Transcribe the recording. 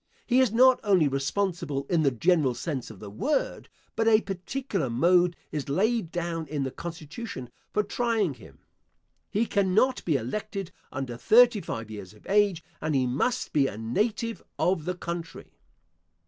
He is not only responsible in the general sense of the word, but a particular mode is laid down in the constitution for trying him. He cannot be elected under thirty five years of age; and he must be a native of the country.